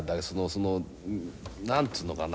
その何つうのかな